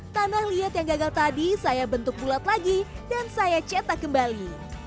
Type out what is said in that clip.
tanah liat yang gagal tadi saya bentuk bulat lagi dan saya cetak kembali